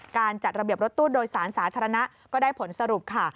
การจัดระเบียบรถตู้โดยสารสาธารณะก็ได้ผลสรุปค่ะ